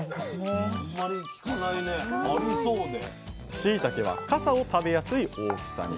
しいたけは傘を食べやすい大きさに。